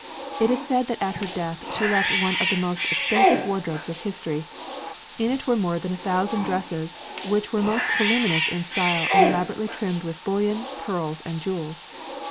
It is said that at her death she left one of the most extensive wardrobes of history: in it were more than a thousand dresses, which were most voluminous in style and elaborately trimmed with bullion, pearls, and jewels.